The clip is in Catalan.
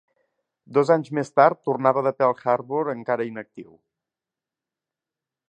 Dos anys més tard, tornava de Pearl Harbor encara inactiu.